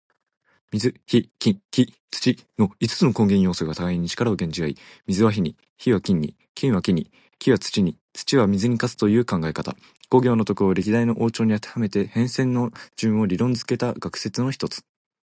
水・火・金・木・土の五つの根元要素が互いに力を減じ合い、水は火に、火は金に、金は木に、木は土に、土は水に勝つという考え方。五行の徳を歴代の王朝にあてはめて変遷の順を理論づけた学説の一つ。